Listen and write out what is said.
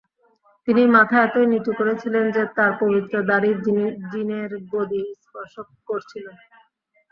তিনি মাথা এতই নিচু করেছিলেন যে, তাঁর পবিত্র দাড়ি জিনের গদি স্পর্শ করছিল।